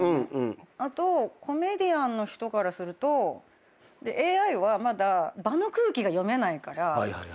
あとコメディアンの人からするとＡＩはまだ場の空気が読めないから。